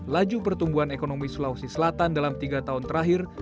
laju pertumbuhan ekonomi sulawesi selatan dalam tiga tahun terakhir